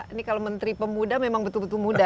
ini kalau menteri pemuda memang betul betul muda